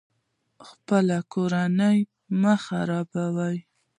خپله کورنۍ مه خرابوئ